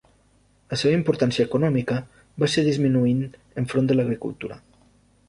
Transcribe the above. La seva importància econòmica va ser disminuint enfront de l'agricultura.